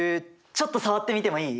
ちょっと触ってみてもいい？